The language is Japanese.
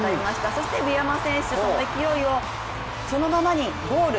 そして上山選手、その勢いをそのままにゴール。